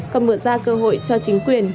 cầm mượt ra cơ hội cho chính quyền